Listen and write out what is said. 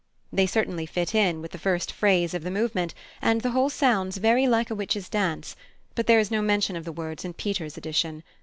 They certainly fit in with the first phrase of the movement, and the whole sounds very like a witches' dance, but there is no mention of the words in Peters' edition.